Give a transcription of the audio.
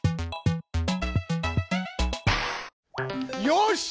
よし！